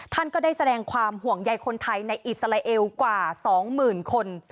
ท่านก็ได้แสดงความห่วงใยคนไทยในอิสราเอลกว่า๒๐๐๐คน